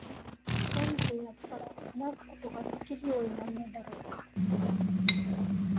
何時になったら話すことができるようになるのだろうか。